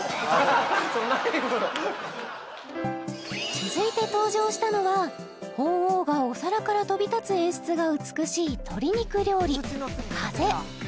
続いて登場したのは鳳凰がお皿から飛び立つ演出が美しい鶏肉料理風